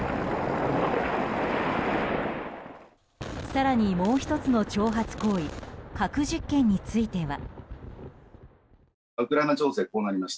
更にもう１つの挑発行為核実験については。